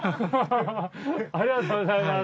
ありがとうございます！